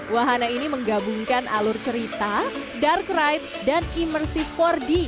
wahana ini menggabungkan alur cerita dark right dan imersif empat d